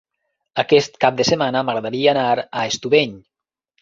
Aquest cap de setmana m'agradaria anar a Estubeny.